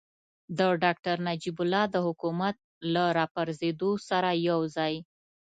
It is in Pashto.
د ډاکتر نجیب الله د حکومت له راپرځېدو سره یوځای.